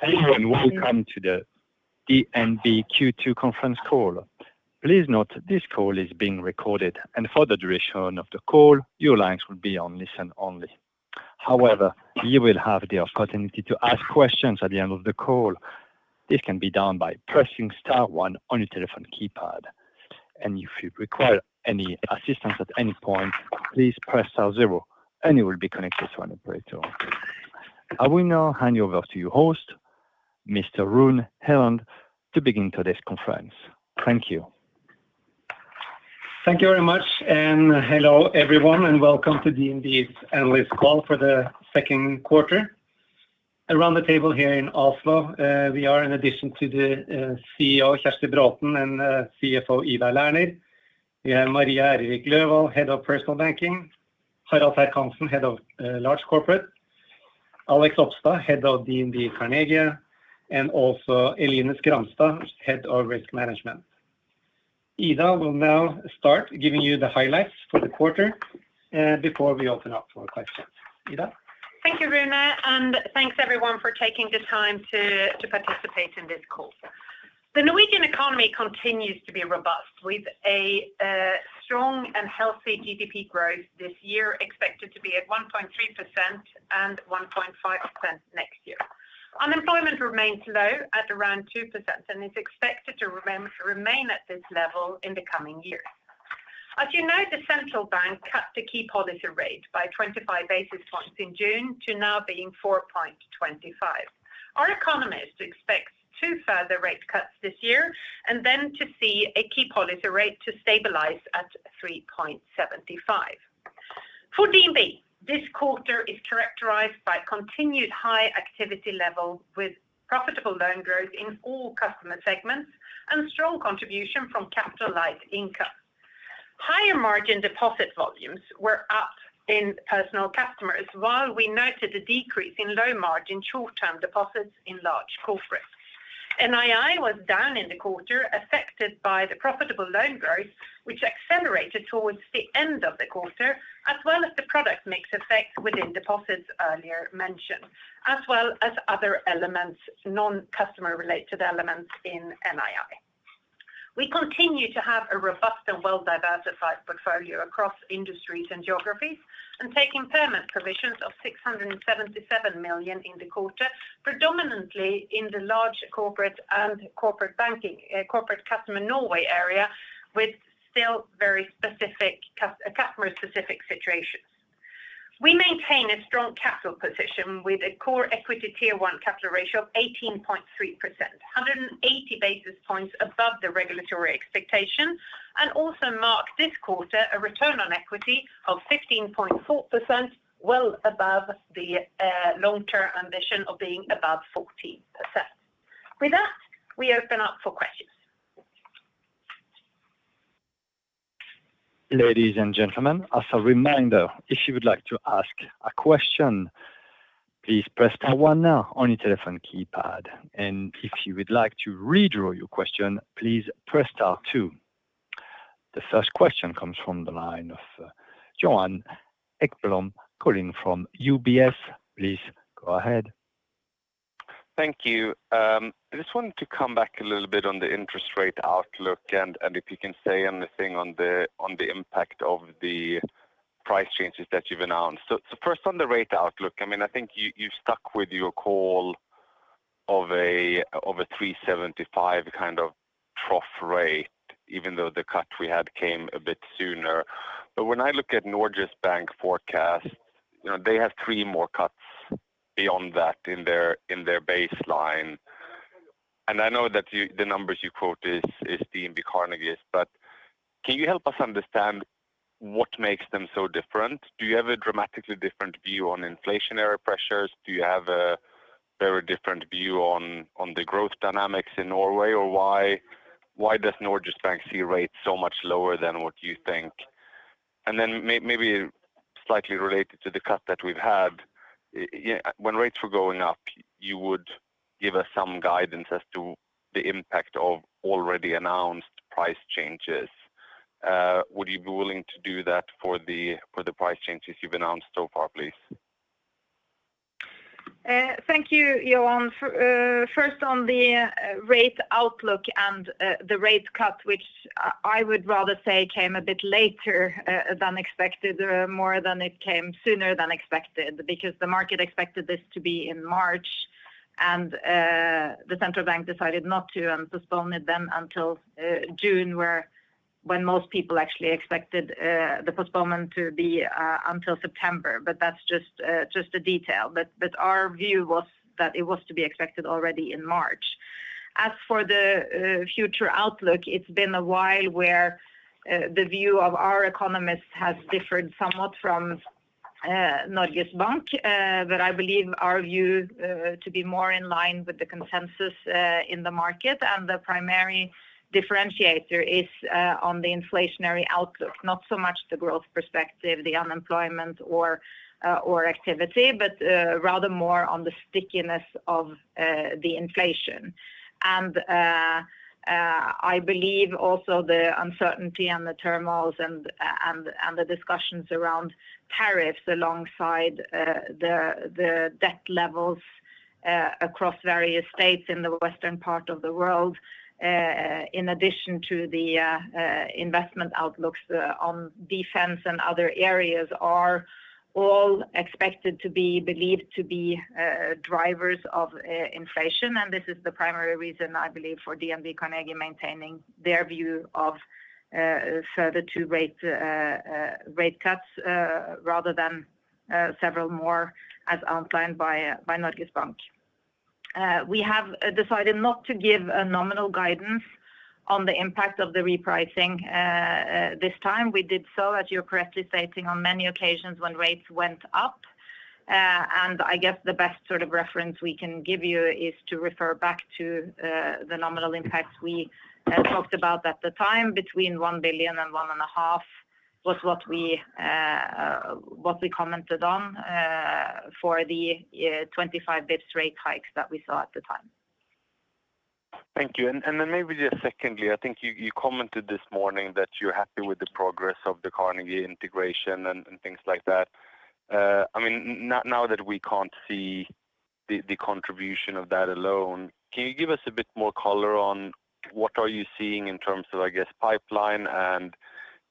Hello and welcome to the DNB Q2 conference call. Please note this call is being recorded, and for the duration of the call, your lines will be on listen only. However, you will have the opportunity to ask questions at the end of the call. This can be done by pressing star one on your telephone keypad. If you require any assistance at any point, please press star zero, and you will be connected to an operator. I will now hand you over to your host, Mr. Rune Helland, to begin today's conference. Thank you. Thank you very much, and hello everyone, and welcome to DNB's annual call for the second quarter. Around the table here in Oslo, we are, in addition to the CEO, Kjerstin Braathen, and CFO, Ida Lerner, we have Maria Erik Løvold, head of personal banking, Harald Serck-Hanssen, head of large corporate, Alex Opstad, head of DNB Carnegie, and also Eline Skramstad, head of risk management. Ida will now start giving you the highlights for the quarter before we open up for questions. Ida. Thank you, Rune, and thanks everyone for taking the time to participate in this call. The Norwegian economy continues to be robust, with a strong and healthy GDP growth this year expected to be at 1.2% and 1.5% next year. Unemployment remains low at around 2% and is expected to remain at this level in the coming years. As you know, the central bank cut the key policy rate by 25 basis points in June, to now being 4.25%. Our economist expects two further rate cuts this year and then to see a key policy rate to stabilize at 3.75%. For DNB, this quarter is characterized by continued high activity level with profitable loan growth in all customer segments and strong contribution from capital-like income. Higher margin deposit volumes were up in personal customers, while we noted a decrease in low margin short-term deposits in large corporates. NII was down in the quarter, affected by the profitable loan growth, which accelerated towards the end of the quarter, as well as the product mix effect within deposits earlier mentioned, as well as other elements non-customer-related elements in NII. We continue to have a robust and well-diversified portfolio across industries and geographies and taking permanent provisions of 677 million in the quarter, predominantly in the large corporate and corporate customer Norway area, with still very specific customer-specific situations. We maintain a strong capital position with a core equity tier 1 capital ratio of 18.3%, 180 basis points above the regulatory expectation, and also marked this quarter a return on equity of 15.4%, well above the long-term ambition of being above 14%. With that, we open up for questions. Ladies and gentlemen, as a reminder, if you would like to ask a question, please press star one now on your telephone keypad, and if you would like to withdraw your question, please press star two. The first question comes from the line of Johan Ekblom, calling from UBS. Please go ahead. Thank you. I just wanted to come back a little bit on the interest rate outlook and if you can say anything on the impact of the price changes that you've announced. First, on the rate outlook, I mean, I think you've stuck with your call of a 3.75% kind of trough rate, even though the cut we had came a bit sooner. I look at Norges Bank forecasts, they have three more cuts beyond that in their baseline. I know that the numbers you quote is DNB Carnegie, but can you help us understand what makes them so different? Do you have a dramatically different view on inflationary pressures? Do you have a very different view on the growth dynamics in Norway, or why does Norges Bank see rates so much lower than what you think? Maybe slightly related to the cut that we've had. When rates were going up, you would give us some guidance as to the impact of already announced price changes. Would you be willing to do that for the price changes you've announced so far, please? Thank you, Johan. First, on the rate outlook and the rate cut, which I would rather say came a bit later than expected, more than it came sooner than expected, because the market expected this to be in March, and the central bank decided not to, and postponed it then until June, when most people actually expected the postponement to be until September. That is just a detail. Our view was that it was to be expected already in March. As for the future outlook, it has been a while where the view of our economists has differed somewhat from Norges Bank, but I believe our view to be more in line with the consensus in the market. The primary differentiator is on the inflationary outlook, not so much the growth perspective, the unemployment or activity, but rather more on the stickiness of the inflation. I believe also the uncertainty and the turmoils and the discussions around tariffs alongside the debt levels across various states in the western part of the world. In addition to the investment outlooks on defense and other areas, are all expected to be believed to be drivers of inflation. This is the primary reason, I believe, for DNB Carnegie maintaining their view of further two-rate cuts rather than several more, as outlined by Norges Bank. We have decided not to give a nominal guidance on the impact of the repricing this time. We did so, as you're correctly stating, on many occasions when rates went up. I guess the best sort of reference we can give you is to refer back to the nominal impacts we talked about at the time, between 1 billion and 1.5 billion was what we commented on. For the 25 basis points rate hikes that we saw at the time. Thank you. Then maybe just secondly, I think you commented this morning that you're happy with the progress of the Carnegie integration and things like that. I mean, now that we can't see the contribution of that alone, can you give us a bit more color on what are you seeing in terms of, I guess, pipeline and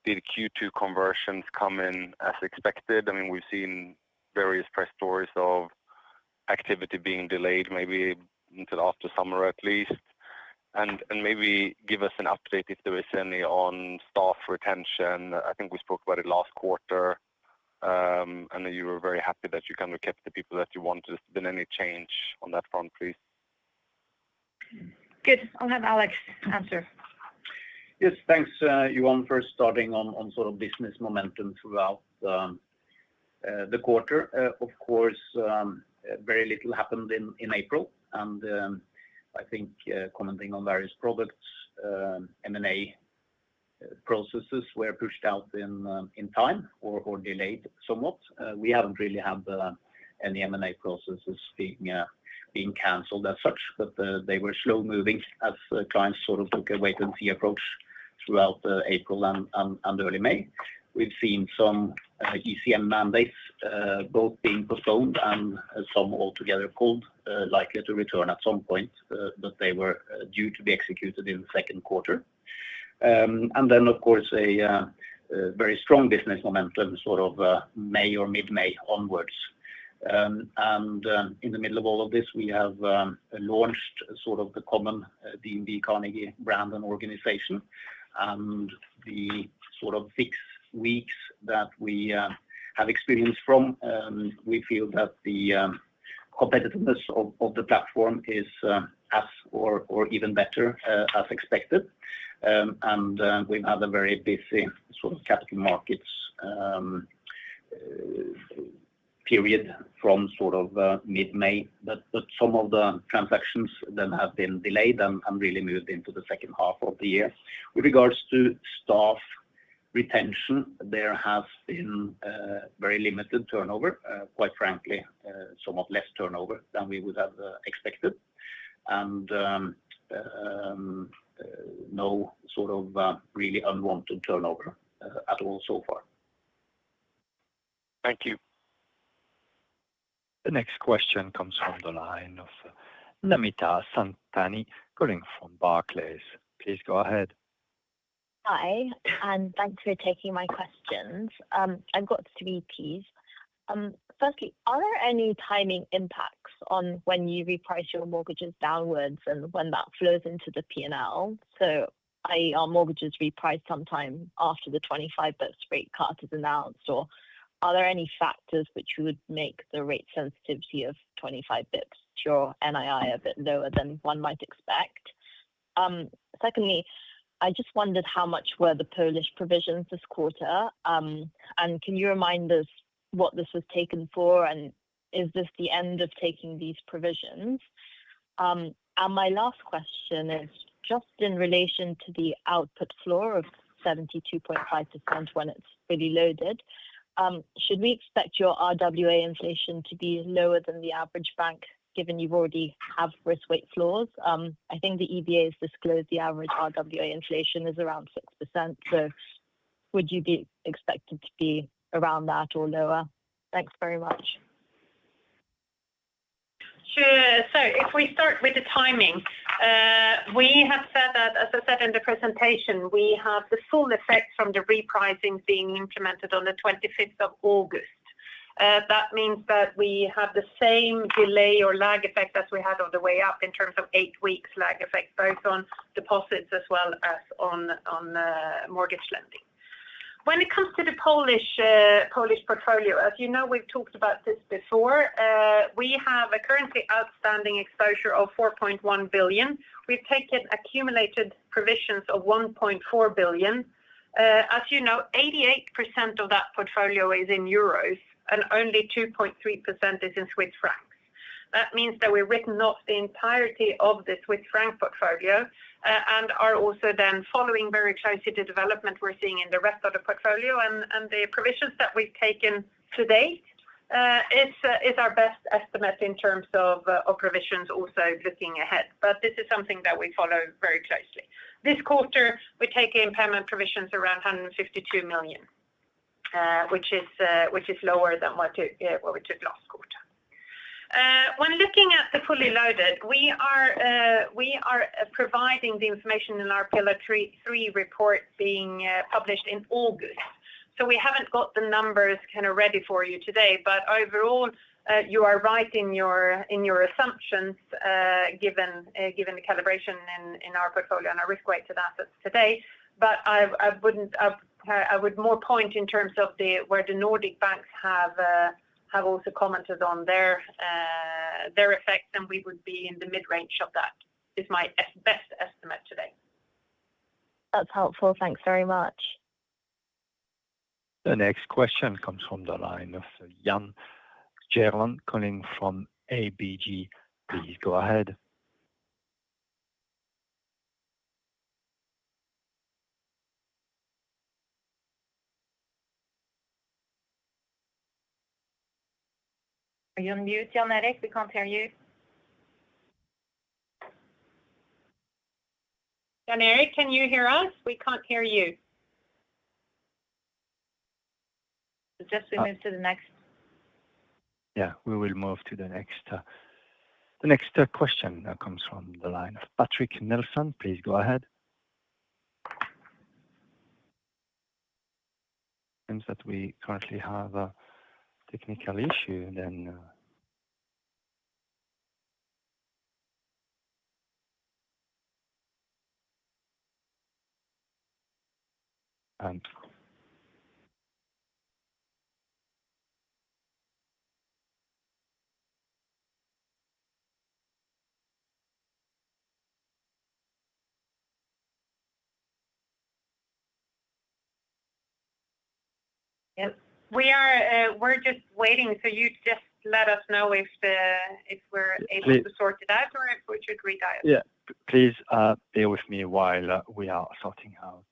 did Q2 conversions come in as expected? I mean, we've seen various press stories of activity being delayed maybe until after summer at least. Maybe give us an update if there is any on staff retention. I think we spoke about it last quarter. I know you were very happy that you kind of kept the people that you wanted. Has there been any change on that front, please? Good. I'll have Alex answer. Yes, thanks, Johan, for starting on sort of business momentum throughout the quarter. Of course, very little happened in April. I think commenting on various products, M&A processes were pushed out in time or delayed somewhat. We have not really had any M&A processes is being canceled as such, but they were slow-moving as clients sort of took a wait-and-see approach throughout April and early May. We have seen some ECM mandates both being postponed and some altogether pulled, likely to return at some point, but they were due to be executed in the second quarter. Of course, a very strong business momentum sort of May or mid-May onwards. In the middle of all of this, we have launched sort of the common DNB Carnegie brand and organization. The sort of six weeks that we have experienced from, we feel that the competitiveness of the platform is even better as expected. We have had a very busy sort of capital markets period from mid-May, but some of the transactions have been delayed and really moved into the second half of the year. With regards to staff retention, there has been very limited turnover, quite frankly, somewhat less turnover than we would have expected. No really unwanted turnover at all so far. Thank you. The next question comes from the line of Namita Samtani calling from Barclays. Please go ahead. Hi, and thanks for taking my questions. I've got three piece. Firstly, are there any timing impacts on when you reprice your mortgages downwards and when that flows into the P&L? So are mortgages repriced sometime after the 25 basis points rate cut is announced, or are there any factors which would make the rate sensitivity of 25 basis points to your NII a bit lower than one might expect? Secondly, I just wondered how much were the Polish provisions this quarter? And can you remind us what this was taken for, and is this the end of taking these provisions? And my last question is just in relation to the output floor of 72.5% when it's fully loaded. Should we expect your RWA inflation to be lower than the average bank, given you already have risk weight floors? I think the EBA has disclosed the average RWA inflation is around 6%, so would you be expected to be around that or lower? Thanks very much. Sure. If we start with the timing. We have said that, as I said in the presentation, we have the full effect from the repricing being implemented on the 25th of August. That means that we have the same delay or lag effect as we had on the way up in terms of eight-week lag effect, both on deposits as well as on mortgage lending. When it comes to the Polish portfolio, as you know, we've talked about this before. We have a currently outstanding exposure of 4.1 billion. We've taken accumulated provisions of 1.4 billion. As you know, 88% of that portfolio is in euros, and only 2.3% is in Swiss franc. That means that we've written off the entirety of the Swiss franc portfolio and are also then following very closely the development we're seeing in the rest of the portfolio. The provisions that we've taken to date is our best estimate in terms of provisions also looking ahead. This is something that we follow very closely. This quarter, we're taking payment provisions around 152 million, which is lower than what we took last quarter. When looking at the fully loaded, we are providing the information in our pillar three report being published in August. We haven't got the numbers kind of ready for you today, but overall, you are right in your assumptions given the calibration in our portfolio and our risk-weighted assets today. I would more point in terms of where the Nordic banks have also commented on their effect, and we would be in the mid-range of that. This is my best estimate today. That's helpful. Thanks very much. The next question comes from the line of Jan Erik Gjerland calling from ABG Sundal Collier. Please go ahead. Are you on mute, Jan Erik? We can't hear you. Jan Erik, can you hear us? We can't hear you. Just we move to the next. Yeah, we will move to the next. The next question comes from the line of Patrick Nelson. Please go ahead. It seems that we currently have a technical issue then. We're just waiting, so you just let us know if we're able to sort it out or if we should redial. Yeah, please bear with me while we are sorting out.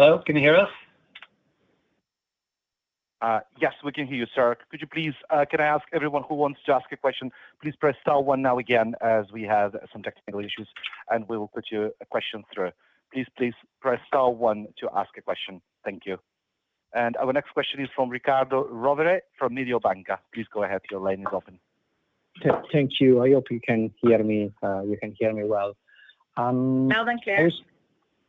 Hello? Can you hear us? Yes, we can hear you, sir. Could you please—can I ask everyone who wants to ask a question? Please press star one now again as we have some technical issues, and we will put your question through. Please, please press star one to ask a question. Thank you. Our next question is from Riccardo Rovere from Mediobanca. Please go ahead. Your line is open. Thank you. I hope you can hear me. You can hear me well. Loud and clear.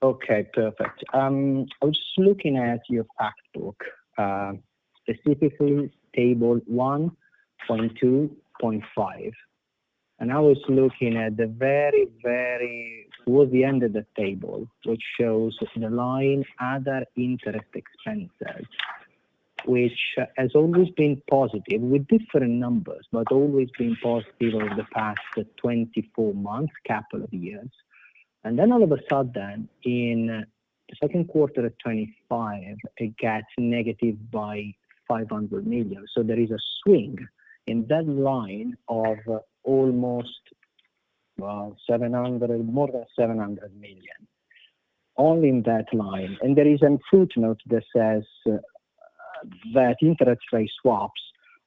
Okay, perfect. I was just looking at your fact book. Specifically, table 1.2.5. I was looking at the very, very toward the end of the table, which shows the line other interest expenses, which has always been positive with different numbers, but always been positive over the past 24 months, capital years. Then all of a sudden, in the second quarter of 2025, it gets negative by 500 million. There is a swing in that line of almost, 700, more than 700 million, only in that line. There is a footnote that says that interest rate swaps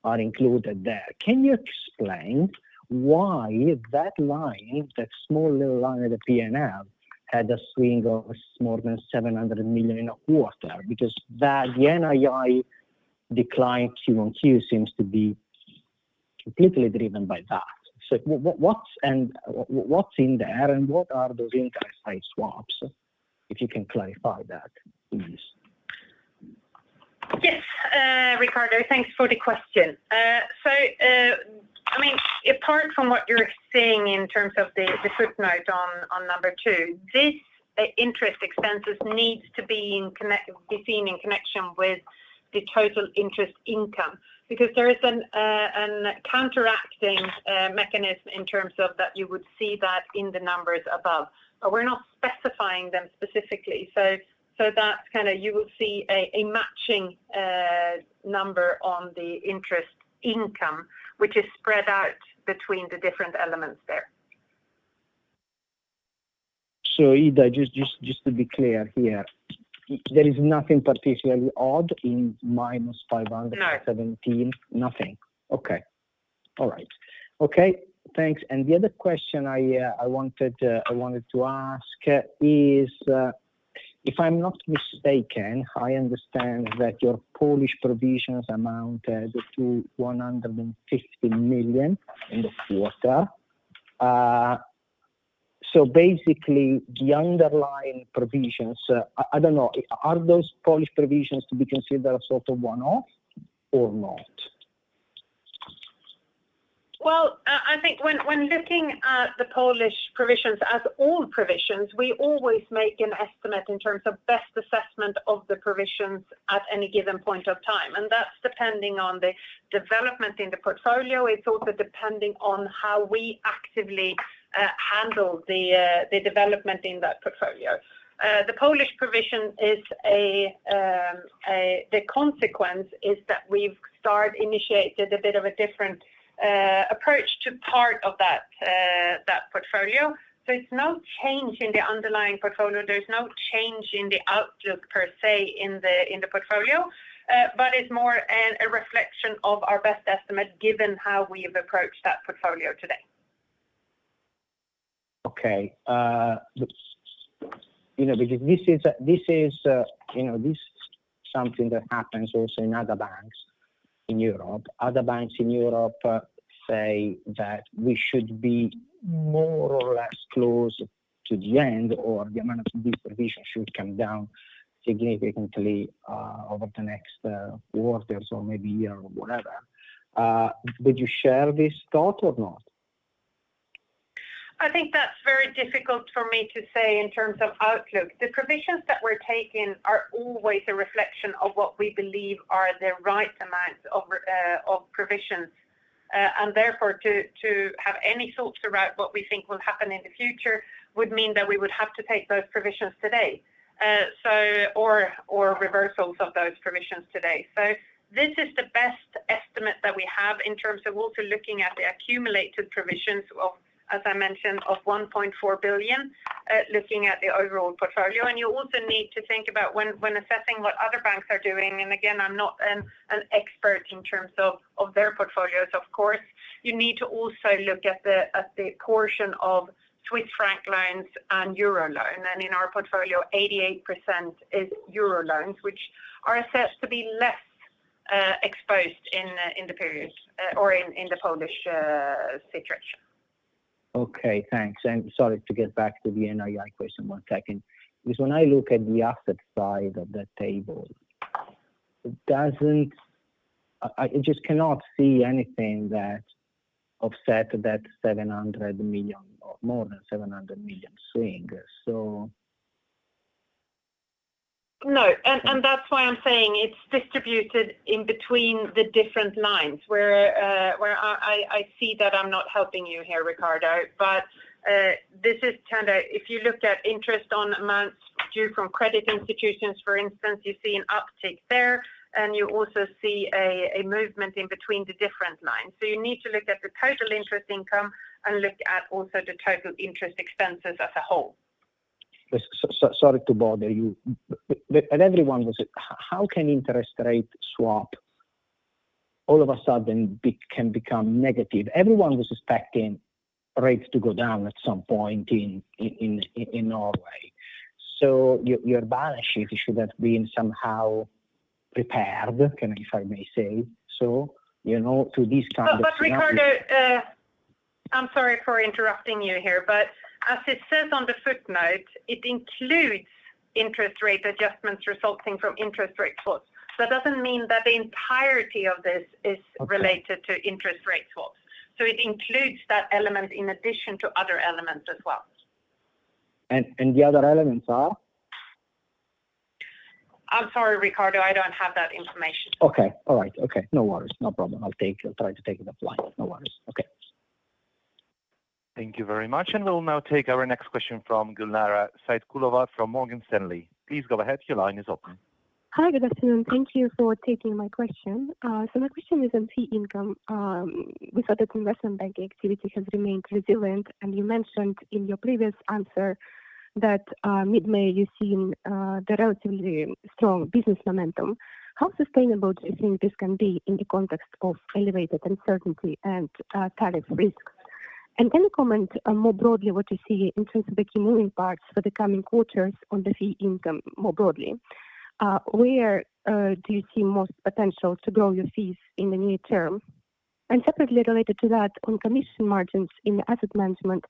are included there. Can you explain why that line, that small little line of the P&L, had a swing of more than 700 million in a quarter? Because the NII decline Q1 too seems to be completely driven by that. What's in there and what are those interest rate swaps? If you can clarify that, please. Yes, Riccardo, thanks for the question. I mean, apart from what you're seeing in terms of the footnote on number two, this interest expenses needs to be seen in connection with the total interest income because there is a counteracting mechanism in terms of that. You would see that in the numbers above, but we're not specifying them specifically. You will see a matching number on the interest income, which is spread out between the different elements there. Ida, just to be clear here, there is nothing particularly odd in minus 517? No. Nothing. Okay. All right. Okay. Thanks. The other question I wanted to ask is, if I'm not mistaken, I understand that your Polish provisions amounted to 150 million in the quarter. Basically, the underlying provisions, I do not know, are those Polish provisions to be considered sort of one-off or not? I think when looking at the Polish provisions as all provisions, we always make an estimate in terms of best assessment of the provisions at any given point of time. That is depending on the development in the portfolio. It is also depending on how we actively handle the development in that portfolio. The Polish provision is. The consequence is that we have start initiated a bit of a different approach to part of that portfolio. There is no change in the underlying portfolio. There is no change in the outlook per se in the portfolio, but it is more a reflection of our best estimate given how we have approached that portfolio today. Okay. Because this is something that happens also in other banks in Europe. Other banks in Europe say that we should be more or less close to the end or the amount of these provisions should come down significantly over the next quarters or maybe a year or whatever. Would you share this thought or not? I think that's very difficult for me to say in terms of outlook. The provisions that we're taking are always a reflection of what we believe are the right amounts of provisions. Therefore, to have any thoughts about what we think will happen in the future would mean that we would have to take those provisions today or reversals of those provisions today. This is the best estimate that we have in terms of also looking at the accumulated provisions of, as I mentioned, of 1.4 billion, looking at the overall portfolio. You also need to think about when assessing what other banks are doing, and again, I'm not an expert in terms of their portfolios, of course, you need to also look at the portion of Swiss franc loans and euro loans. In our portfolio, 88% is euro loans, which are assessed to be less. Exposed in the period or in the Polish situation. Okay, thanks. Sorry to get back to the NII question one second. Because when I look at the asset side of the table, I just cannot see anything that offset that 700 million or more than 700 million swing. No. That is why I'm saying it's distributed in between the different lines. I see that I'm not helping you here, Riccardo, but. This is kind of if you look at interest on amounts due from credit institutions, for instance, you see an uptick there, and you also see a movement in between the different lines. You need to look at the total interest income and look at also the total interest expenses as a whole. Sorry to bother you. Everyone was, how can interest rate swap all of a sudden can become negative? Everyone was expecting rates to go down at some point in Norway. Your balance sheet should have been somehow repaired, if I may say so, to this kind of situation. Riccardo, I'm sorry for interrupting you here, but as it says on the footnote, it includes interest rate adjustments resulting from interest rate swaps. That does not mean that the entirety of this is related to interest rate swaps. It includes that element in addition to other elements as well. The other elements are? I'm sorry, Riccardo. I don't have that information. Okay. All right. Okay. No worries. No problem. I'll try to take it offline. No worries. Okay. Thank you very much. We will now take our next question from Gulnara Saitkulova from Morgan Stanley. Please go ahead. Your line is open. Hi, good afternoon. Thank you for taking my question. My question is on fee income. We saw that investment banking activity has remained resilient. You mentioned in your previous answer that mid-May you've seen the relatively strong business momentum. How sustainable do you think this can be in the context of elevated uncertainty and tariff risks? Any comment more broadly on what you see in terms of the key moving parts for the coming quarters on the fee income more broadly? Where do you see most potential to grow your fees in the near term? Separately related to that, on commission margins in asset management,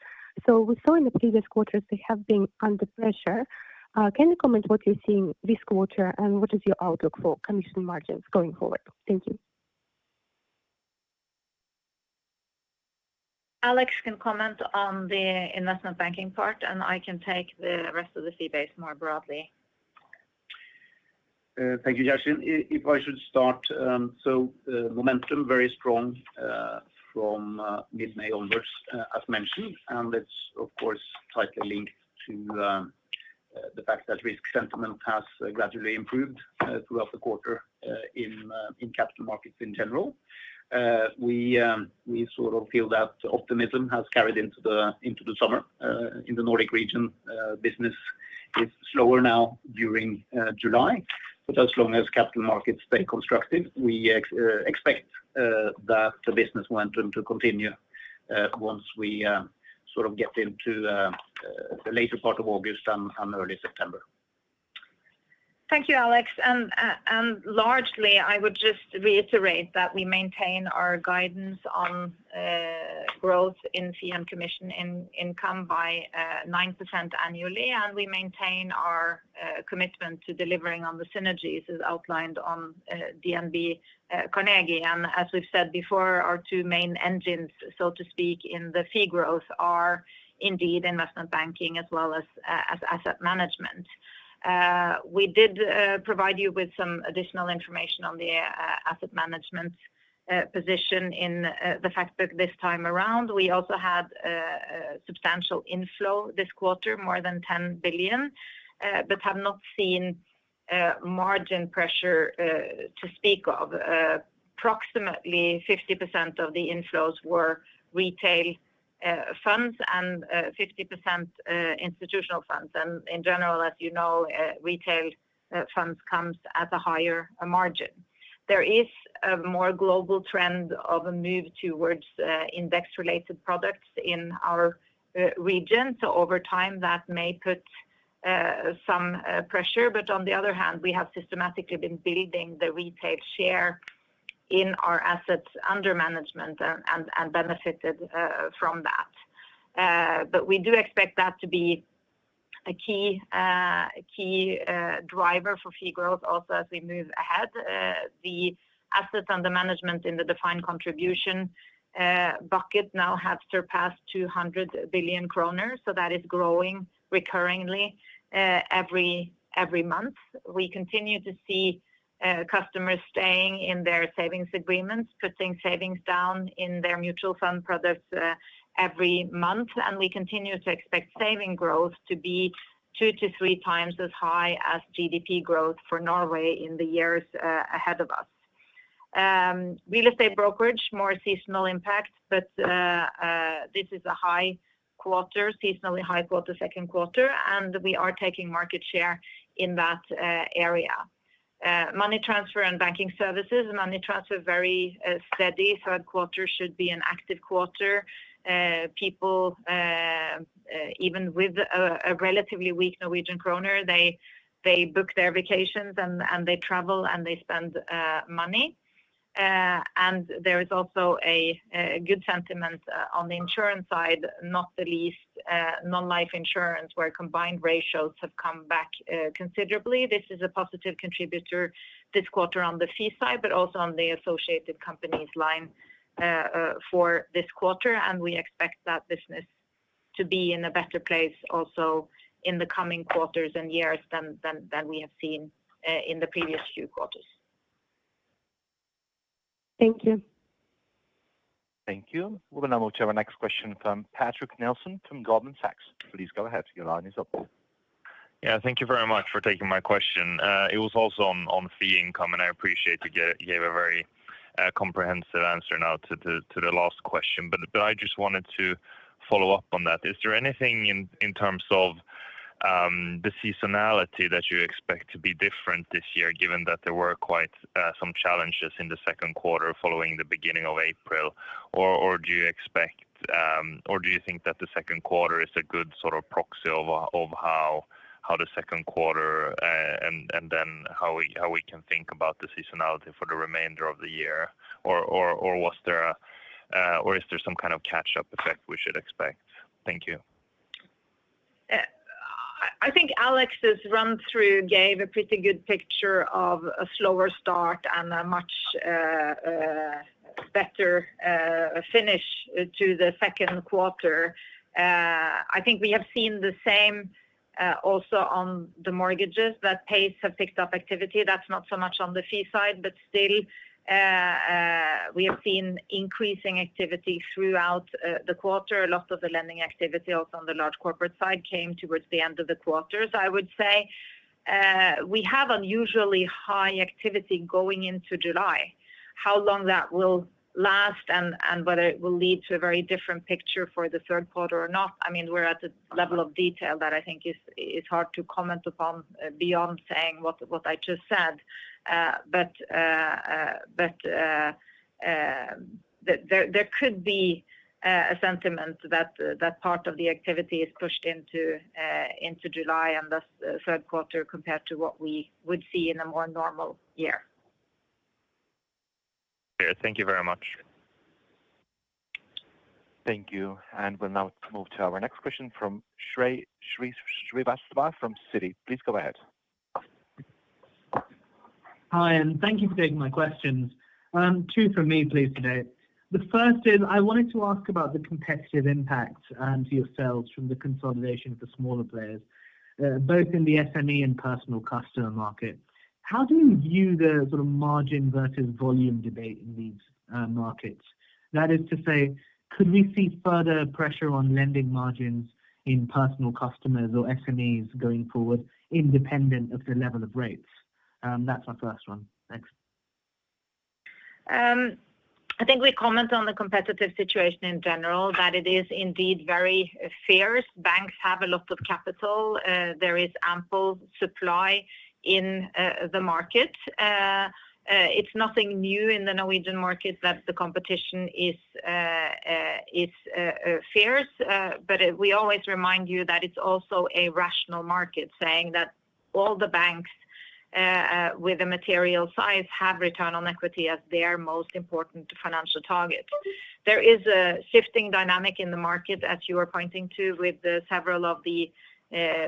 we saw in the previous quarters they have been under pressure. Can you comment what you are seeing this quarter and what is your outlook for commission margins going forward? Thank you. Alex can comment on the investment banking part, and I can take the rest of the fee base more broadly. Thank you, Yashin. If I should start, momentum very strong. From mid-May onwards, as mentioned. It is, of course, tightly linked to the fact that risk sentiment has gradually improved throughout the quarter in capital markets in general. We sort of feel that optimism has carried into the summer. In the Nordic region, business is slower now during July. As long as capital markets stay constructive, we expect that the business momentum to continue once we sort of get into the later part of August and early September. Thank you, Alex. Largely, I would just reiterate that we maintain our guidance on growth in fee and commission income by 9% annually. We maintain our commitment to delivering on the synergies as outlined on DNB Carnegie. As we have said before, our two main engines, so to speak, in the fee growth are indeed investment banking as well as asset management. We did provide you with some additional information on the asset management position in the fact book this time around. We also had substantial inflow this quarter, more than 10 billion, but have not seen margin pressure to speak of. Approximately 50% of the inflows were Retail funds and 50% Institutional funds. In general, as you know, Retail funds come at a higher margin. There is a more global trend of a move towards index-related products in our region. Over time, that may put. Some pressure. On the other hand, we have systematically been building the retail share in our assets under management and benefited from that. We do expect that to be a key driver for fee growth also as we move ahead. The assets under management in the defined contribution bucket now have surpassed 200 billion kroner. That is growing recurringly every month. We continue to see customers staying in their savings agreements, putting savings down in their mutual fund products every month. We continue to expect saving growth to be two to three times as high as GDP growth for Norway in the years ahead of us. Real estate brokerage, more seasonal impact, but this is a high quarter, seasonally high quarter, second quarter, and we are taking market share in that area. Money transfer and banking services, Money transferis very steady. Third quarter should be an active quarter. People, even with a relatively weak Norwegian krone, they book their vacations and they travel and they spend money. There is also a good sentiment on the insurance side, not the least, non-life insurance where combined ratios have come back considerably. This is a positive contributor this quarter on the fee side, but also on the associated companies line for this quarter. We expect that business to be in a better place also in the coming quarters and years than we have seen in the previous few quarters. Thank you. Thank you. We'll now move to our next question from Patrick Nelson from Goldman Sachs. Please go ahead. Your line is open. Yeah, thank you very much for taking my question. It was also on fee income, and I appreciate you gave a very comprehensive answer now to the last question. I just wanted to follow up on that. Is there anything in terms of the seasonality that you expect to be different this year, given that there were quite some challenges in the second quarter following the beginning of April? Do you think that the second quarter is a good sort of proxy of how the second quarter, and then how we can think about the seasonality for the remainder of the year? Or is there some kind of catch-up effect we should expect? Thank you. I think Alex's run-through gave a pretty good picture of a slower start and a much better finish to the second quarter. I think we have seen the same. Also on the mortgages, that pace has picked up activity. That's not so much on the fee side, but still. We have seen increasing activity throughout the quarter. A lot of the lending activity also on the large corporate side came towards the end of the quarter. I would say we have unusually high activity going into July. How long that will last and whether it will lead to a very different picture for the third quarter or not, I mean, we're at a level of detail that I think is hard to comment upon beyond saying what I just said. There could be a sentiment that that part of the activity is pushed into. July, and thus the third quarter compared to what we would see in a more normal year. Thank you very much. Thank you. We'll now move to our next question from Shrey Srivastava from Citi. Please go ahead. Hi, and thank you for taking my questions. Two for me, please, today. The first is I wanted to ask about the competitive impact to your sales from the consolidation of the smaller players, both in the SME and personal customer market. How do you view the sort of margin versus volume debate in these markets? That is to say, could we see further pressure on lending margins in personal customers or SMEs going forward, independent of the level of rates? That is my first one. Thanks. I think we comment on the competitive situation in general, that it is indeed very fierce. Banks have a lot of capital. There is ample supply in the market. It's nothing new in the Norwegian market that the competition is fierce. We always remind you that it's also a rational market, saying that all the banks with the material size have return on equity as their most important financial target. There is a shifting dynamic in the market, as you were pointing to, with several of the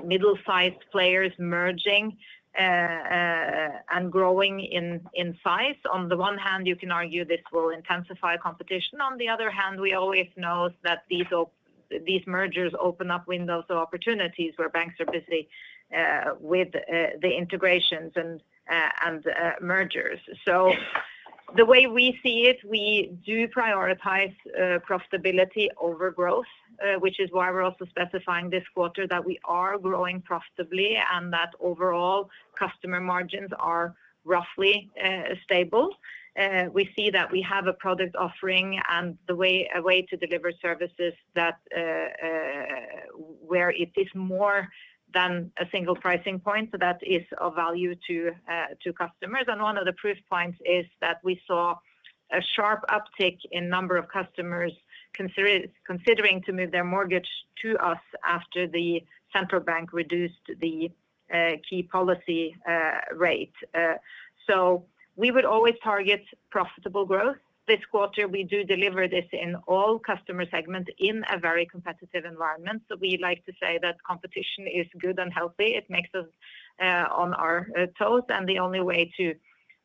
middle-sized players merging and growing in size. On the one hand, you can argue this will intensify competition. On the other hand, we always know that these mergers open up windows of opportunities where banks are busy with the integrations and mergers. The way we see it, we do prioritize profitability over growth, which is why we're also specifying this quarter that we are growing profitably and that overall customer margins are roughly stable. We see that we have a product offering and the way to deliver services that, where it is more than a single pricing point, so that is of value to customers. One of the proof points is that we saw a sharp uptick in the number of customers considering to move their mortgage to us after the central bank reduced the key policy rate. We would always target profitable growth. This quarter, we do deliver this in all customer segments in a very competitive environment. We like to say that competition is good and healthy. It makes us on our toes. The only way to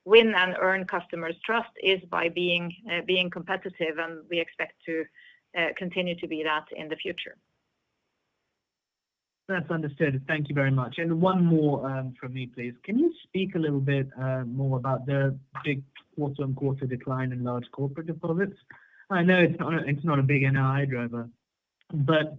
win and earn customers' trust is by being competitive. We expect to continue to be that in the future. That's understood. Thank you very much. One more from me, please. Can you speak a little bit more about the big quarter-on-quarter decline in large corporate deposits? I know it's not a big NII driver, but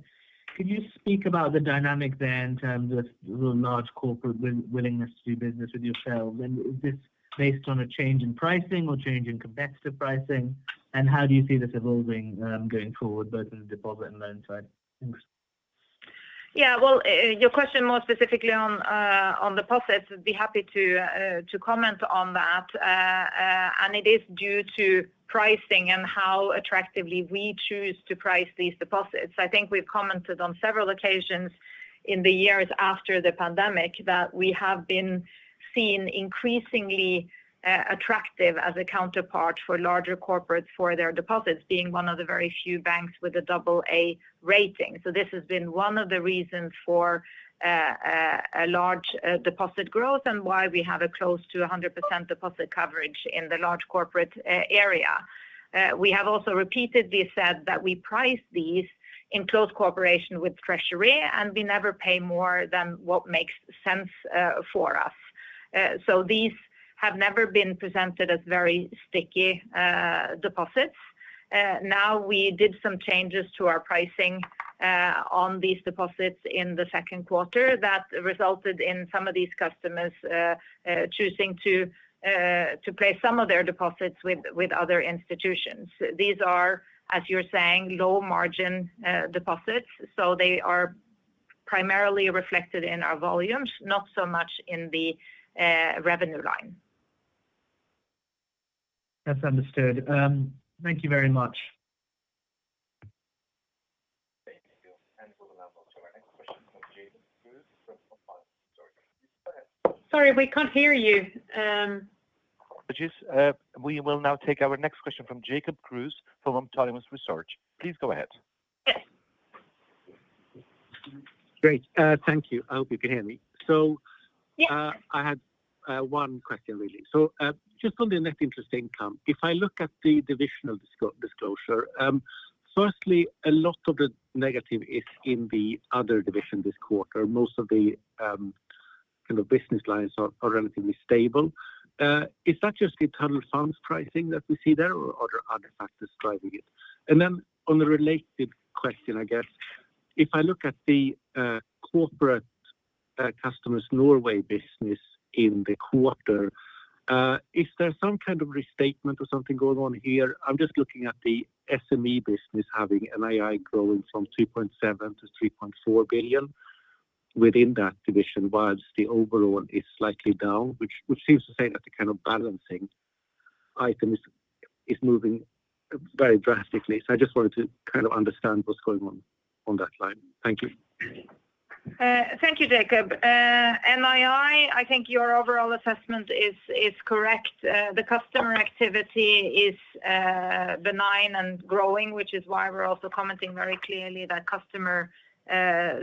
can you speak about the dynamic there in terms of the large corporate willingness to do business with yourselves? Is this based on a change in pricing or change in competitive pricing? How do you see this evolving going forward, both in the deposit and loan side? Yeah, your question more specifically on the deposits, I'd be happy to comment on that. It is due to pricing and how attractively we choose to price these deposits. I think we've commented on several occasions in the years after the pandemic that we have been seen increasingly attractive as a counterpart for larger corporates for their deposits, being one of the very few banks with a AA rating. This has been one of the reasons for a large deposit growth and why we have a close to 100% deposit coverage in the large corporate area. We have also repeatedly said that we price these in close cooperation with Treasury and we never pay more than what makes sense for us. These have never been presented as very sticky deposits. Now we did some changes to our pricing on these deposits in the second quarter that resulted in some of these customers choosing to place some of their deposits with other institutions. These are, as you're saying, low-margin deposits. So they are primarily reflected in our volumes, not so much in the revenue line. That's understood. Thank you very much. Sorry, we can't hear you. We will now take our next question from Jacob Kruse from Autonomous Research. Please go ahead. Great. Thank you. I hope you can hear me. I had one question, really. Just on the net interest income, if I look at the divisional disclosure. Firstly, a lot of the negative is in the other division this quarter. Most of the kind of business lines are relatively stable. Is that just the tunnel funds pricing that we see there, or are there other factors driving it? On the related question, I guess, if I look at the corporate customers' Norway business in the quarter. Is there some kind of restatement or something going on here? I'm just looking at the SME business having NII growing from 2.7 billion to 3.4 billion within that division, while the overall is slightly down, which seems to say that the kind of balancing item is moving very drastically. I just wanted to kind of understand what's going on on that line. Thank you. Thank you, Jacob. NII, I think your overall assessment is correct. The customer activity is benign and growing, which is why we're also commenting very clearly that customer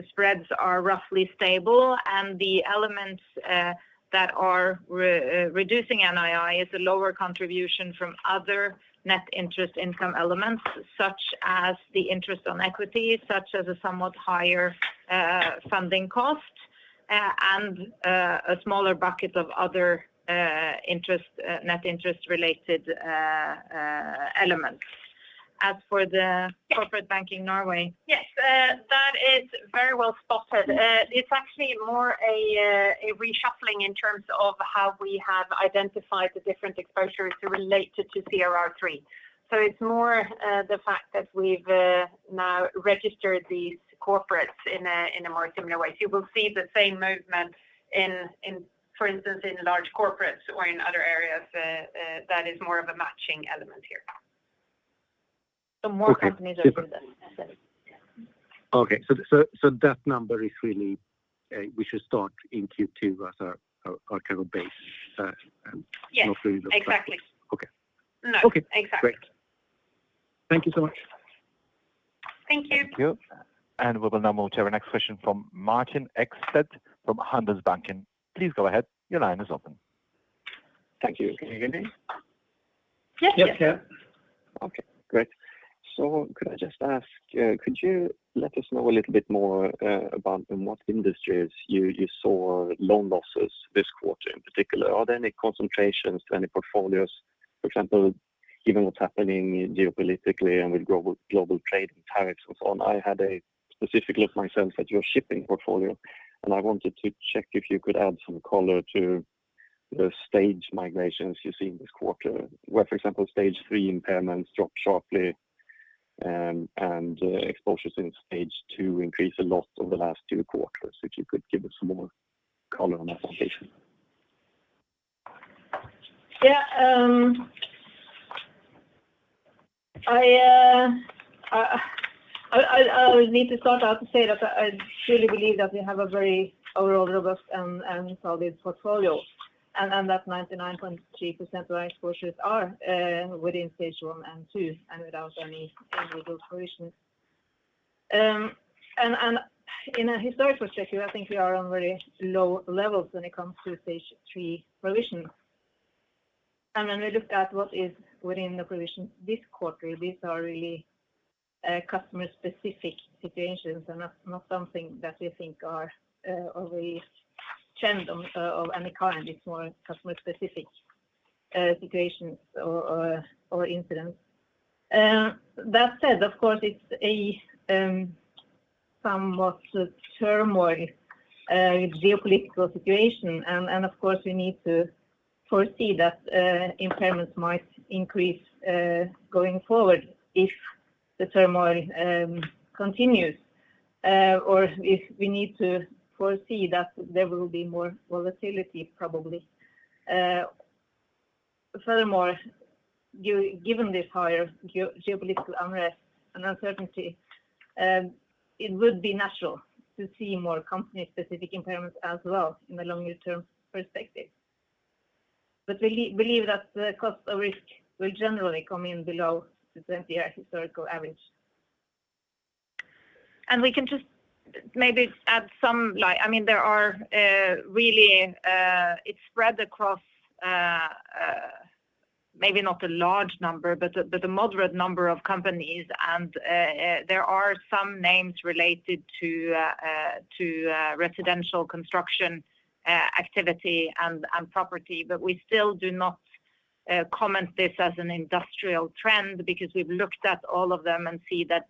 spreads are roughly stable. The elements that are reducing NII are a lower contribution from other net interest income elements, such as the interest on equities, such as a somewhat higher funding cost, and a smaller bucket of other net interest-related elements. As for the corporate banking Norway, yes, that is very well spotted. It is actually more a reshuffling in terms of how we have identified the different exposures related to CRR3. It is more the fact that we have now registered these corporates in a more similar way. You will see the same movement, for instance, in large corporates or in other areas. That is more of a matching element here. More companies are doing this. Okay. So that number is really, we should start in Q2 as our kind of base. Yes. Exactly. Great. Thank you so much. Thank you. Thank you. We will now move to our next question from Martin Ekstedt from Handelsbanken. Please go ahead. Your line is open. Thank you. Can you hear me? Yes. Okay. Great. Could I just ask, could you let us know a little bit more about in what industries you saw loan losses this quarter in particular? Are there any concentrations to any portfolios? For example, given what is happening geopolitically and with global trade and tariffs and so on, I had a specific look myself at your shipping portfolio, and I wanted to check if you could add some color to the stage migrations you see in this quarter, where, for example, stage three impairments drop sharply and exposures in stage two increase a lot over the last two quarters. If you could give us more color on that situation. Yeah. I need to start out to say that I truly believe that we have a very overall robust and solid portfolio. And that 99.3% of our exposures are within stage one and two and without any individual provisions. In a historical perspective, I think we are on very low levels when it comes to stage three provision. When we look at what is within the provision this quarter, these are really customer-specific situations and not something that we think are a real trend of any kind. It's more customer-specific situations or incidents. That said, of course, it's a somewhat turmoiled geopolitical situation. Of course, we need to foresee that impairments might increase going forward if the turmoil continues or if we need to foresee that there will be more volatility, probably. Furthermore, given this higher geopolitical unrest and uncertainty. It would be natural to see more company-specific impairments as well in the longer-term perspective. We believe that the cost of risk will generally come in below the 20-year historical average. We can just maybe add some light. I mean, there are really, it is spread across. Maybe not a large number, but a moderate number of companies. There are some names related to residential construction activity and property. We still do not comment this as an industrial trend because we have looked at all of them and see that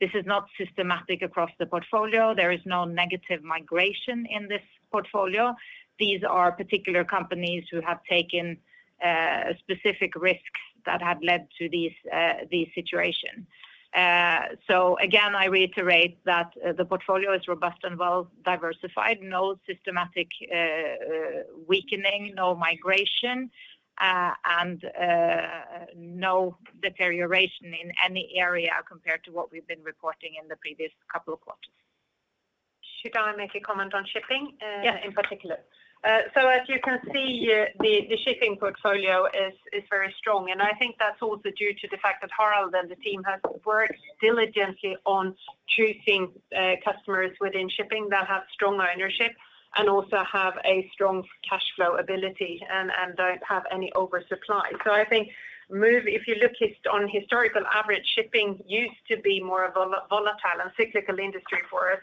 this is not systematic across the portfolio. There is no negative migration in this portfolio. These are particular companies who have taken specific risks that have led to these situations. Again, I reiterate that the portfolio is robust and well-diversified. No systematic weakening, no migration. No deterioration in any area compared to what we've been reporting in the previous couple of quarters. Should I make a comment on shipping in particular? Yes. As you can see, the shipping portfolio is very strong. I think that's also due to the fact that Harald and the team have worked diligently on choosing customers within shipping that have strong ownership and also have a strong cash flow ability and do not have any oversupply. I think if you look on historical average, shipping used to be more of a volatile and cyclical industry for us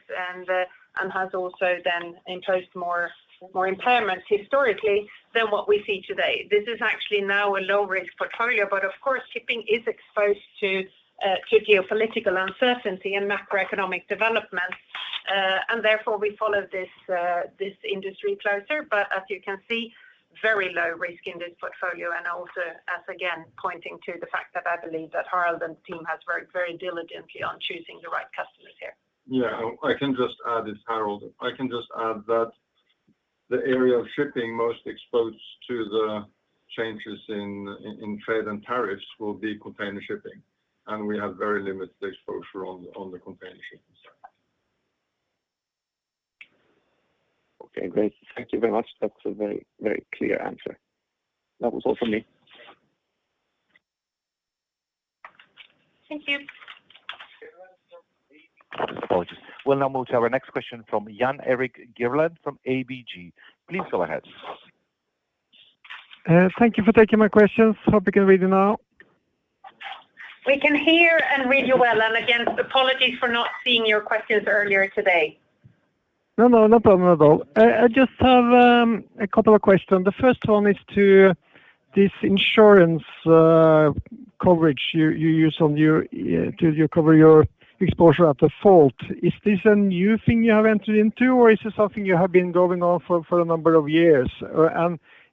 and has also then imposed more impairments historically than what we see today. This is actually now a low-risk portfolio. Of course, shipping is exposed to geopolitical uncertainty and macroeconomic developments. Therefore, we follow this industry closer. As you can see, very low risk in this portfolio. Also, again, pointing to the fact that I believe that Harald and the team have worked very diligently on choosing the right customers here. Yeah. I can just add, this is Harald. I can just add that the area of shipping most exposed to the changes in trade and tariffs will be container shipping. We have very limited exposure on the container shipping side. Okay. Great. Thank you very much. That is a very, very clear answer. That was all for me. Apologies. We'll now move to our next question from Jan Erik Gjerland from ABG Sundal Collier. Please go ahead. Thank you for taking my questions. Hope you can read them now. We can hear and read you well. Again, apologies for not seeing your questions earlier today. No, no problem at all. I just have a couple of questions. The first one is to this Insurance coverage you use to cover your exposure at default. Is this a new thing you have entered into, or is this something you have been going on for a number of years?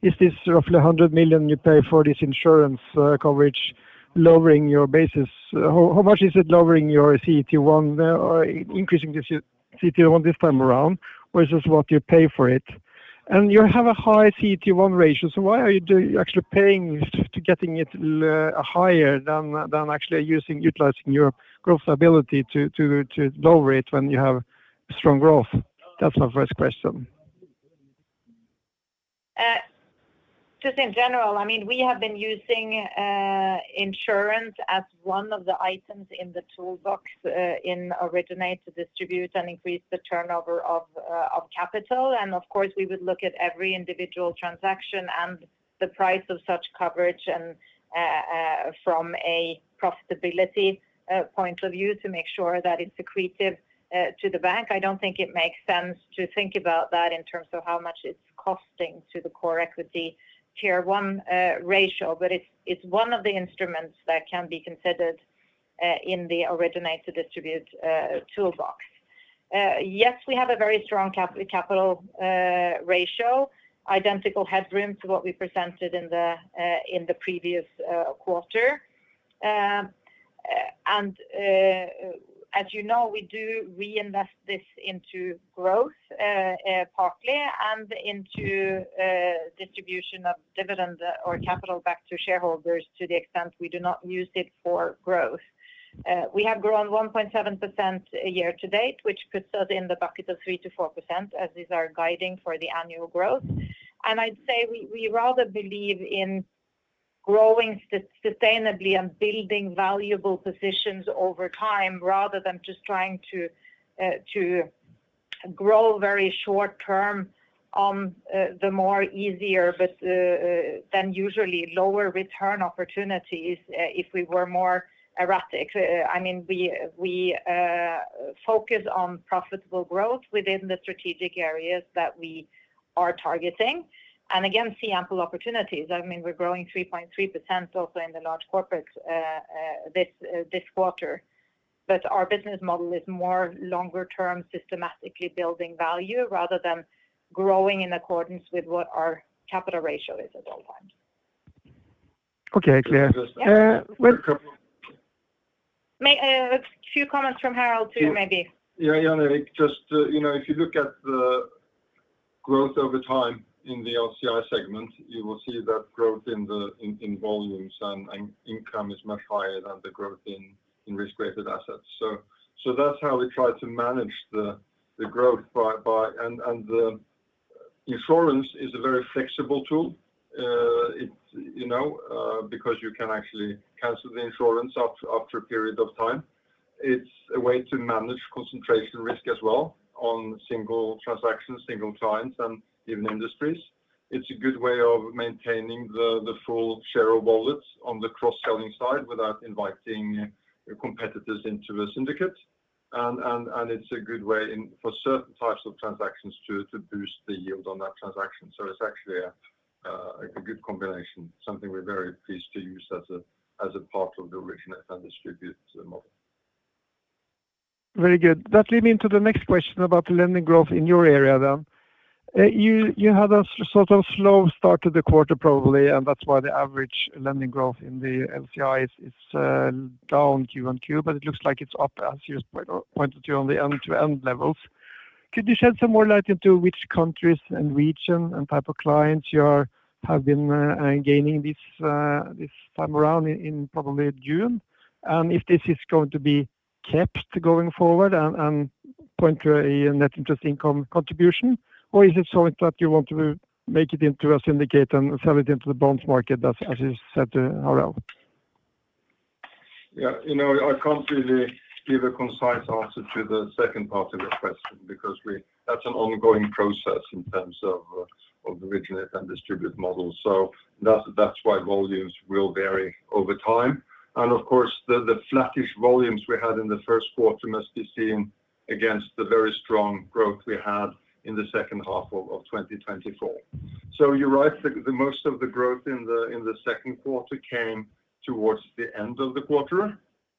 Is this roughly 100 million you pay for this Insurance coverage lowering your basis? How much is it lowering your CET1, increasing CET1 this time around, or is this what you pay for it? You have a high CET1 ratio, so why are you actually paying to get it higher than actually utilizing your growth ability to lower it when you have strong growth? That's my first question. Just in general, I mean, we have been using Insurance as one of the items in the toolbox originated to distribute and increase the turnover of capital. Of course, we would look at every individual transaction and the price of such coverage from a profitability point of view to make sure that it's accretive to the bank. I don't think it makes sense to think about that in terms of how much it's costing to the core equity tier one ratio, but it's one of the instruments that can be considered in the originated distribute toolbox. Yes, we have a very strong capital ratio, identical headroom to what we presented in the previous quarter. As you know, we do reinvest this into growth partly and into distribution of dividend or capital back to shareholders to the extent we do not use it for growth. We have grown 1.7% year-to-date, which puts us in the bucket of 3%-4%, as these are guiding for the annual growth. I'd say we rather believe in growing sustainably and building valuable positions over time rather than just trying to grow very short-term on the more easier, but than usually lower return opportunities if we were more erratic. I mean, we focus on profitable growth within the strategic areas that we are targeting. Again, see ample opportunities. I mean, we're growing 3.3% also in the large corporates this quarter. Our business model is more longer term, systematically building value rather than growing in accordance with what our capital ratio is at all times. Okay. A few comments from Harald too, maybe. Yeah. Jan Erik, just if you look at the growth over time in the LCI segment, you will see that growth in volumes and income is much higher than the growth in risk-weighted assets. That is how we try to manage the growth. The Insurance is a very flexible tool because you can actually cancel the Insurance after a period of time. It is a way to manage concentration risk as well on single transactions, single clients, and even industries. It is a good way of maintaining the full share of wallets on the cross-selling side without inviting your competitors into a syndicate. It is a good way for certain types of transactions to boost the yield on that transaction. It is actually a good combination, something we are very pleased to use as a part of the originate-and-distribute model. Very good. That lead me into the next question about the lending growth in your area then. You had a sort of slow start to the quarter, probably, and that's why the average lending growth in the LCI is down Q1Q, but it looks like it's up as you pointed to on the end-to-end levels. Could you shed some more light into which countries and region and type of clients you have been gaining this time around in probably June? If this is going to be kept going forward and point to a net interest income contribution, or is it something that you want to make it into a syndicate and sell it into the bonds market, as you said to Harald? Yeah. I can't really give a concise answer to the second part of your question because that's an ongoing process in terms of the originate-and-distribute model. That's why volumes will vary over time. Of course, the flattish volumes we had in the first quarter must be seen against the very strong growth we had in the second half of 2024. You're right, most of the growth in the second quarter came towards the end of the quarter.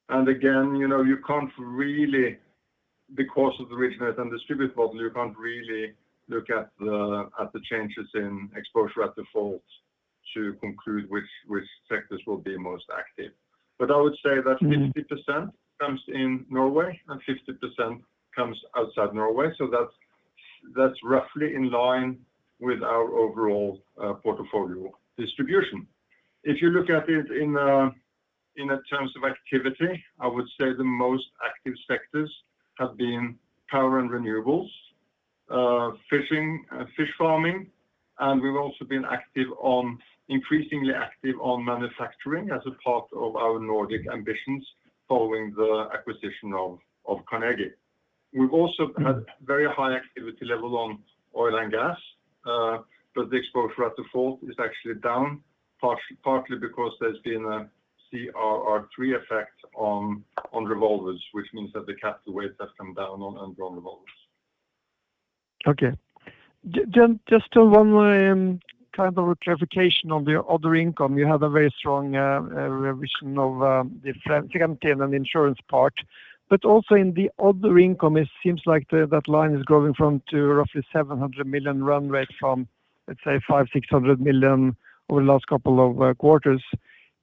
Again, you can't really, because of the originate-and-distribute model, you can't really look at the changes in exposure at the fault to conclude which sectors will be most active. I would say that 50% comes in Norway and 50% comes outside Norway. That's roughly in line with our overall portfolio distribution if you look at it in. In terms of activity, I would say the most active sectors have been power and renewables, fishing, fish farming, and we've also been increasingly active on manufacturing as a part of our Nordic ambitions following the acquisition of Carnegie. We've also had a very high activity level on oil and gas. The exposure at the fault is actually down, partly because there's been a CRR3 effect on revolvers, which means that the capital weights have come down on drawn revolvers. Okay. Just one kind of clarification on the other income. You have a very strong vision of the Fremdting and Insurance part. But also in the other income, it seems like that line is growing to roughly 700 million run rate from, let's say, 500-600 million over the last couple of quarters.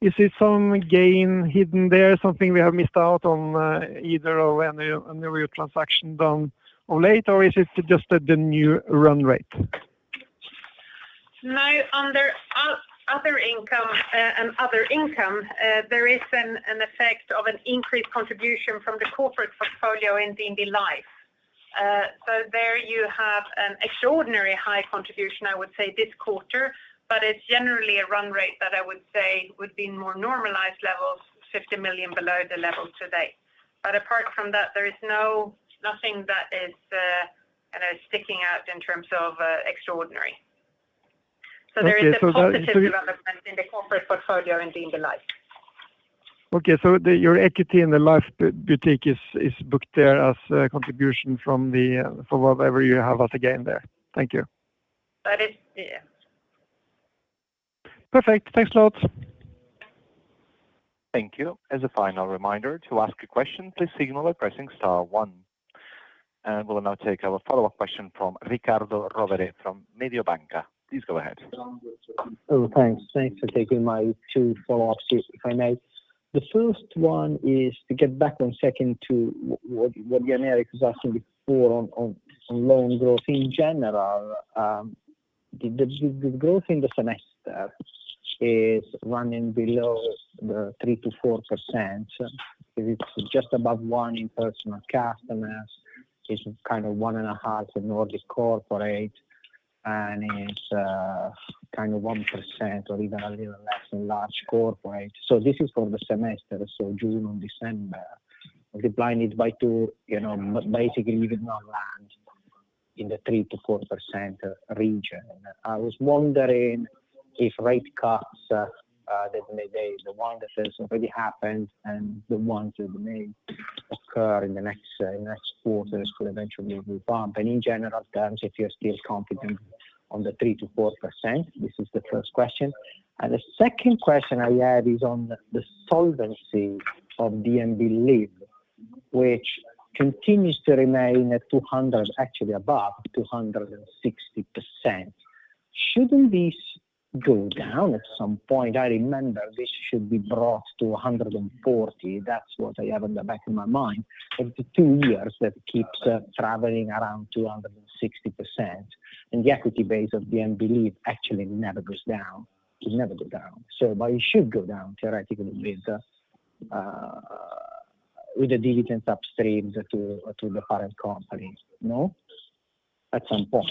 Is it some gain hidden there, something we have missed out on either of any of your transactions done of late, or is it just the new run rate? No. Under other income, there is an effect of an increased contribution from the corporate portfolio in DNB Life. So there you have an extraordinarily high contribution, I would say, this quarter, but it's generally a run rate that I would say would be in more normalized levels, 50 million below the level today. Apart from that, there is nothing that is sticking out in terms of extraordinary. There is a positive development in the corporate portfolio in DNB Life. Okay. So your equity in the Life is booked there as a contribution from whatever you have as a gain there. Thank you. That is, yeah. Perfect. Thanks a lot. Thank you. As a final reminder, to ask a question, please signal by pressing star one. We will now take our follow-up question from Riccardo Rovere from Mediobanca. Please go ahead. Oh, thanks. Thanks for taking my two follow-ups if I may. The first one is to get back on second to what Jan Erik was asking before on loan growth in general. The growth in the semester is running below the 3%-4%. It's just above 1% in personal customers. It's kind of 1.5% in Nordic corporate. And it's kind of 1% or even a little less in large corporate. So this is for the semester, so June and December. Multiplying it by two, basically even on land, in the 3%-4% region. I was wondering if rate cuts, that may be the one that has already happened and the ones that may occur in the next quarters, could eventually revamp. And in general terms, if you're still confident on the 3%-4%, this is the first question. The second question I have is on the solvency of DNB Life, which continues to remain at 200%, actually above 260%. Shouldn't this go down at some point? I remember this should be brought to 140%. That's what I have in the back of my mind. It's two years that keeps traveling around 260%. And the equity base of DNB Life actually never goes down. It never goes down. So it should go down theoretically with the dividends upstream to the parent company, no? At some point.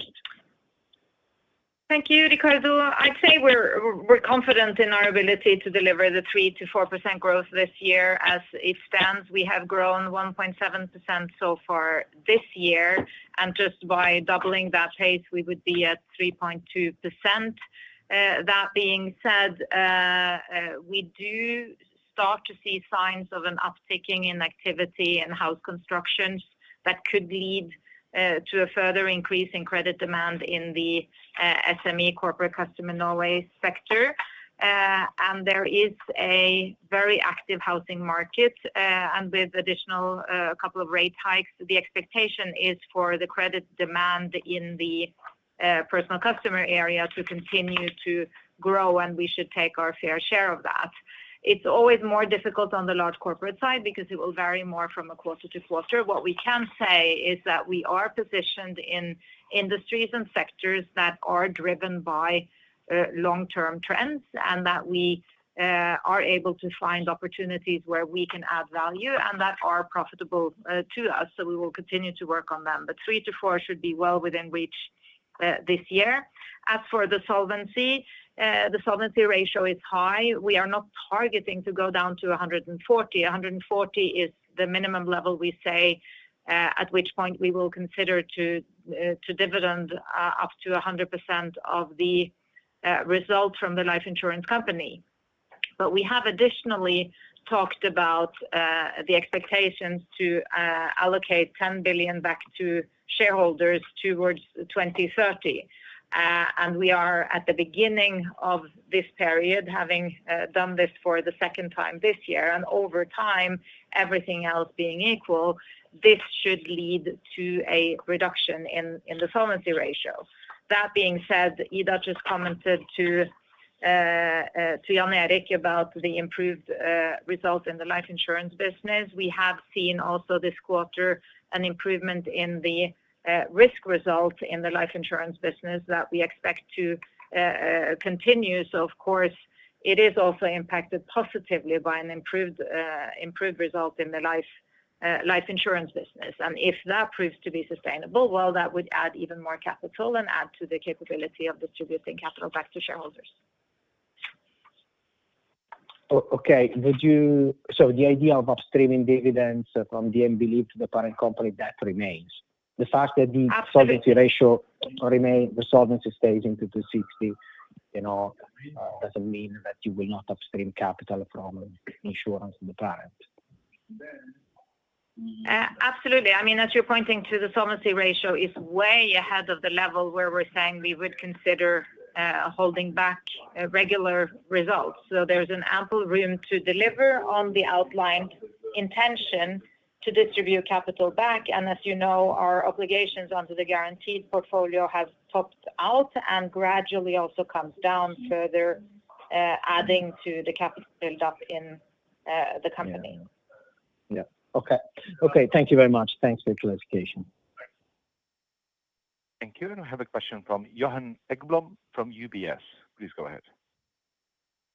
Thank you, Riccardo. I'd say we're confident in our ability to deliver the 3%-4% growth this year as it stands. We have grown 1.7% so far this year. And just by doubling that pace, we would be at 3.2%. That being said, we do start to see signs of an upsticking activity in house constructions that could lead to a further increase in credit demand in the SME corporate customer Norway sector. There is a very active housing market. With additional couple of rate hikes, the expectation is for the credit demand in the personal customer area to continue to grow, and we should take our fair share of that. It's always more difficult on the large corporate side because it will vary more from a quarter-to-quarter. What we can say is that we are positioned in industries and sectors that are driven by long-term trends and that we are able to find opportunities where we can add value and that are profitable to us. We will continue to work on them. Three to four should be well within reach this year. As for the solvency, the solvency ratio is high. We are not targeting to go down to 140%. 140% is the minimum level we say at which point we will consider to dividend up to 100% of the result from the Life Insurance company. We have additionally talked about the expectations to allocate 10 billion back to shareholders towards 2030. We are at the beginning of this period, having done this for the second time this year. Over time, everything else being equal, this should lead to a reduction in the solvency ratio. That being said, Ida just commented to Jan Erik about the improved result in the Life Insurance business. We have seen also this quarter an improvement in the risk result in the Life Insurance business that we expect to continue. Of course, it is also impacted positively by an improved result in the Life Insurance business. If that proves to be sustainable, that would add even more capital and add to the capability of distributing capital back to shareholders. Okay. So the idea of upstreaming dividends from DNB Life to the parent company, that remains. The fact that the solvency ratio remains, the solvency stays into 260%, does not mean that you will not upstream capital from Insurance to the parent. Absolutely. I mean, as you're pointing to, the solvency ratio is way ahead of the level where we're saying we would consider holding back regular results. There is ample room to deliver on the outlined intention to distribute capital back. As you know, our obligations onto the guaranteed portfolio have topped out and gradually also come down further, adding to the capital built up in the company. Yeah. Okay. Thank you very much. Thanks for your clarification. Thank you. We have a question from Johan Ekblom from UBS. Please go ahead.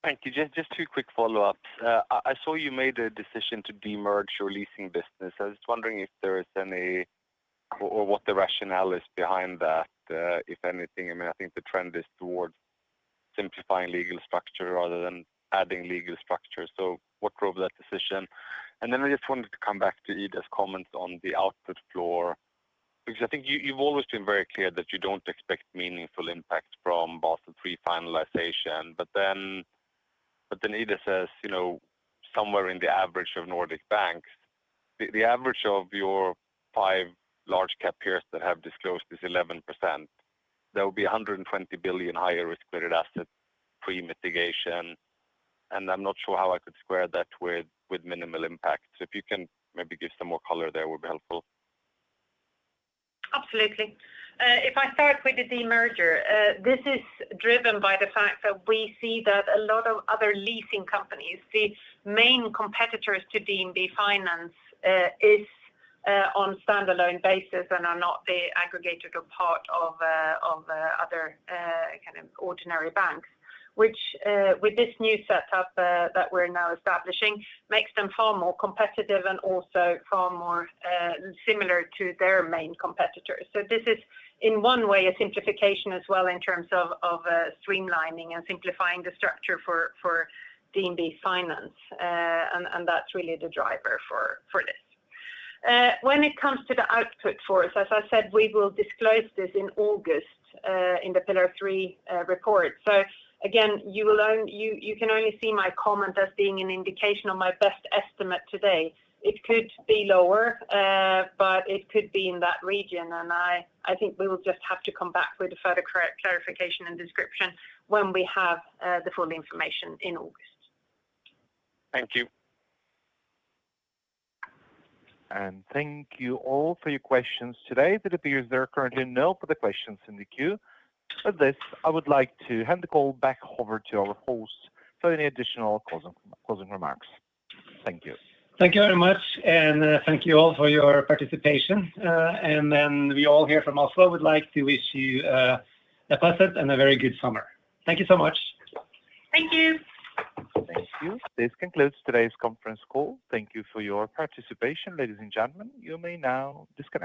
Thank you. Just two quick follow-ups. I saw you made a decision to demerge your leasing business. I was wondering if there is any, or what the rationale is behind that, if anything. I mean, I think the trend is towards simplifying legal structure rather than adding legal structure. What drove that decision? I just wanted to come back to Ida's comments on the output floor. Because I think you've always been very clear that you do not expect meaningful impact from Basel III finalization. Ida says somewhere in the average of Nordic banks, the average of your five large cap peers that have disclosed is 11%. There will be 120 billion higher risk-weighted assets pre-mitigation. I'm not sure how I could square that with minimal impact. If you can maybe give some more color there, it would be helpful. Absolutely. If I start with the demerger, this is driven by the fact that we see that a lot of other leasing companies, the main competitors to DNB Finance, is on standalone basis and are not the aggregator or part of other kind of ordinary banks, which with this new setup that we're now establishing, makes them far more competitive and also far more similar to their main competitors. This is, in one way, a simplification as well in terms of streamlining and simplifying the structure for DNB Finance. That's really the driver for this. When it comes to the output floor, as I said, we will disclose this in August in the Pillar Three report. Again, you can only see my comment as being an indication of my best estimate today. It could be lower, but it could be in that region. I think we will just have to come back with a further clarification and description when we have the full information in August. Thank you. Thank you all for your questions today. It appears there are currently no further questions in the queue. With this, I would like to hand the call back over to our host for any additional closing remarks. Thank you. Thank you very much. Thank you all for your participation. We all here from Oslo would like to wish you a pleasant and a very good summer. Thank you so much. Thank you. Thank you. This concludes today's conference call. Thank you for your participation, ladies and gentlemen. You may now disconnect.